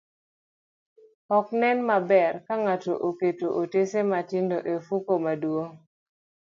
Ok nen maber ka ng'ato oketo otese matindo e ofuko maduong',